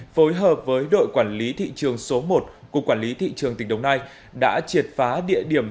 phối hợp với đội quản lý thị trường số một của quản lý thị trường tỉnh đồng nai đã triệt phá địa điểm